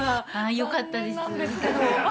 よかったです。